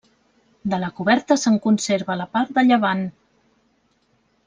De la coberta se'n conserva la part de llevant.